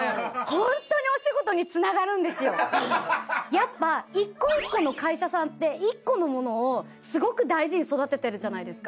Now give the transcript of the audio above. やっぱ１個１個の会社さんって１個のものをすごく大事に育ててるじゃないですか。